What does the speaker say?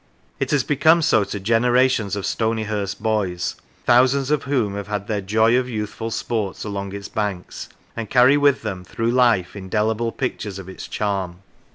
It has become so to generations of Stonyhurst boys, thousands of whom have had their joy of youthful sports along its banks, and carry with them through life indelible pictures of its charm.